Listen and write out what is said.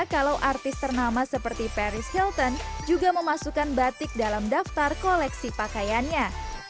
kalau artis ternama seperti paris hilton juga memasukkan batik dalam daftar koleksi pakaiannya